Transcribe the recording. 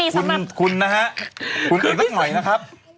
อีกสักหน่อยนะครับ